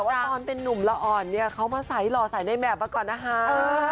แต่ว่าตอนหนุ่มเหล่อนเขามาใส่หล่อใส่ในแมบเมื่อก่อนนะ